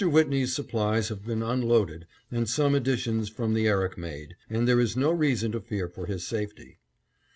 Whitney's supplies have been unloaded and some additions from the Erik made, and there is no reason to fear for his safety.